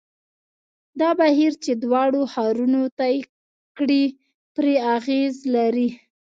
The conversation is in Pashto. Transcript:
دا بهیر چې دواړو ښارونو طی کړې پرې اغېز لري.